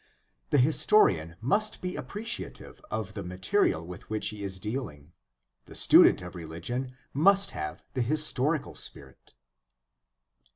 The historian must be appreciative of the material with which he is dealing; the student of religion must have the historical spirit.